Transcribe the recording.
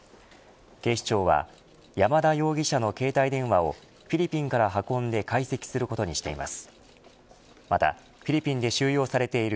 警視庁は山田容疑者の携帯電話をフィリピンから運んで解析することにしています。